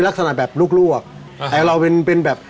อาจจะลูกลวกแต่เราเป็นแบบ